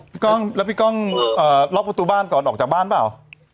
กล้องแล้วพี่ก้องล็อกประตูบ้านก่อนออกจากบ้านเปล่า